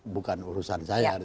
bukan urusan saya